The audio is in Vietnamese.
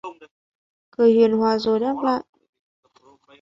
Cười hiền hòa rồi đáp lại